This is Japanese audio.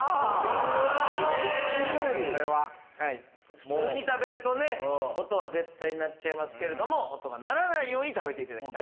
普通に食べると音は絶対鳴っちゃいますけど鳴らないよう食べていただきたい。